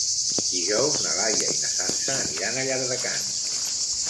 Dijous na Laia i na Sança aniran a Llardecans.